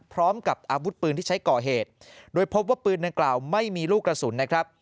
พร้อมกับอาวุธปืนที่ใช้ก่อเหตุโดยพบว่าปืนดังกล่าวไม่มีลูกกระสุนนะครับ